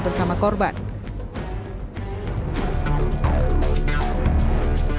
bersama korban santoso alias prawiro keluarga kampung pandan selatan dan jawa tengah yang menyebabkan